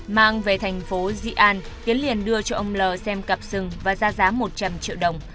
mang về thành phố dị an tiến liền đưa cho ông l xem cặp rừng và ra giá một trăm linh triệu đồng